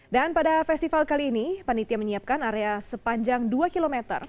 dan pada festival kali ini panitia menyiapkan area sepanjang dua km